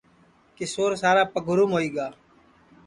کیشور سارا پگھروم ہوئی گا